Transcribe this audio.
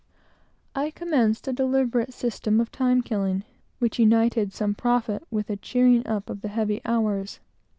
I commenced a deliberate system of time killing, which united some profit with a cheering up of the heavy hours.